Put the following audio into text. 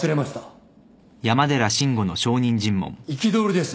憤りです